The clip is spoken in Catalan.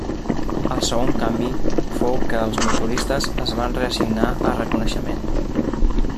El segon canvi fou que els motoristes es van reassignar a reconeixement.